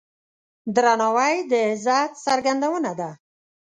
درناوی د عزت څرګندونه ده.